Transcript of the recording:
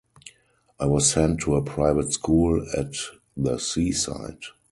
I was sent to a private school at the seaside.